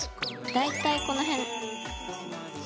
大体この辺。